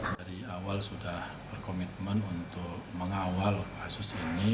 dari awal sudah berkomitmen untuk mengawal kasus ini